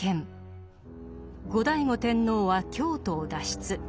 後醍醐天皇は京都を脱出。